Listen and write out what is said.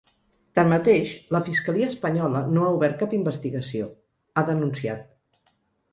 Tanmateix, la fiscalia espanyola no ha obert cap investigació, ha denunciat.